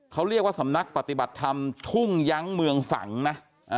เขาเรียกว่าสำนักปฏิบัติธรรมทุ่งยั้งเมืองสังนะ